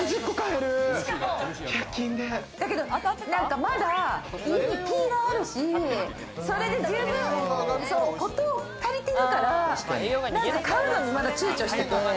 だけどまだ家にピーラーあるし、事足りてるから買うのに、まだちゅうちょしてて。